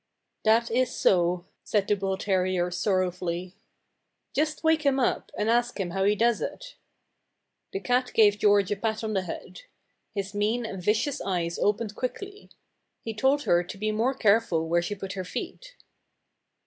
"That is so," said the bull terrier sorrowfully. "Just wake him up and ask him how he does it." The cat gave George a pat on the head. His mean and vicious eyes opened quickly. He told her to be more careful where she put her feet.